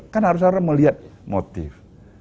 karena harus melihat motif